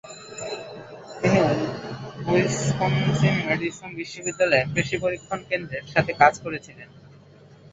তিনি উইসকনসিন-ম্যাডিসন বিশ্ববিদ্যালয়ের কৃষি পরীক্ষণ কেন্দ্রের সাথে কাজ করেছিলেন।